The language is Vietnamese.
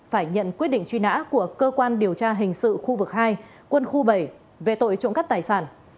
phải nhận quyết định truy nã của cơ quan điều tra hình sự khu vực hai quân khu bảy về tội trộm cắt tài sản